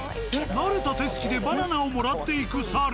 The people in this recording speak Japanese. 慣れた手つきでバナナをもらっていく猿。